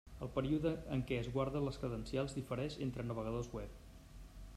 El període en què es guarda les credencials difereix entre navegadors web.